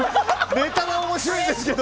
ネタは面白いんですけど。